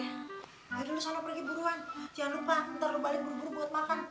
ayo dulu sana pergi buruan jangan lupa ntar lo balik buru buru buat makan